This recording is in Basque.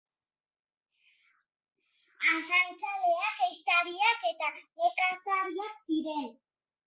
Arrantzaleak, ehiztariak eta nekazariak ziren.